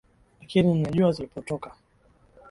lakini najua tulipotoka